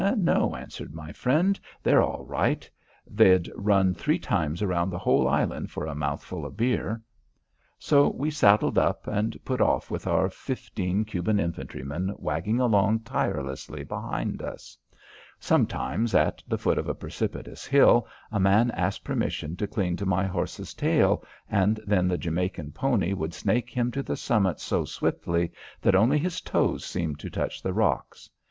"No," answered my friend. "They're all right; they'd run three times around the whole island for a mouthful of beer." So we saddled up and put off with our fifteen Cuban infantrymen wagging along tirelessly behind us. Sometimes, at the foot of a precipitous hill, a man asked permission to cling to my horse's tail, and then the Jamaica pony would snake him to the summit so swiftly that only his toes seemed to touch the rocks.